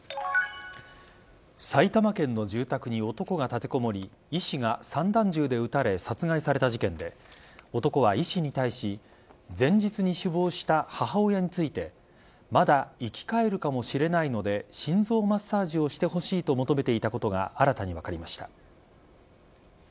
埼玉県の住宅に男が立てこもり医師が散弾銃で撃たれ殺害された事件で男は、医師に対し前日に死亡した母親についてまだ生き返るかもしれないので心臓マッサージをしてほしいと求めていたことが新たに分かりました。